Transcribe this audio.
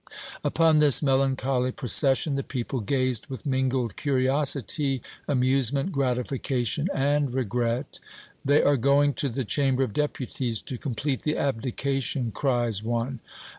Upon this melancholy procession the people gazed with mingled curiosity, amusement, gratification and regret. "They are going to the Chamber of Deputies to complete the abdication!" cries one.